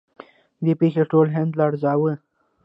دې پیښې ټول هند لړزاوه.